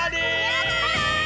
やった！